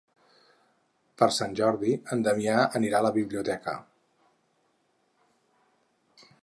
Per Sant Jordi en Damià anirà a la biblioteca.